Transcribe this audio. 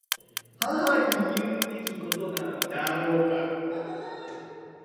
母に言うべきことなのだろうか。